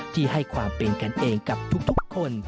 ที่ให้ความเป็นกันเองกับทุกคน